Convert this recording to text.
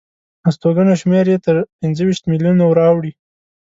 استوګنو یې شمېره تر پنځه ویشت میلیونو وراوړي.